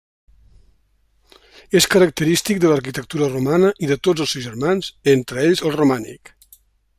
És característic de l'arquitectura romana i de tots els seus germans, entre ells el romànic.